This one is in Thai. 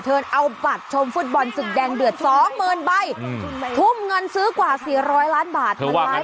เธอเอาบัตรชมฟุตบอลศึกแดงเดือด๒๐๐๐๐ใบทุ่มเงินซื้อกว่า๔๐๐ล้านบาท